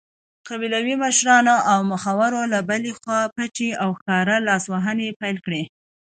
قبیلوي مشرانو او مخورو له بلې خوا پټې او ښکاره لاسوهنې پیل کړې.